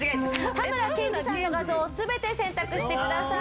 たむらけんじさんの画像を全て選択してください。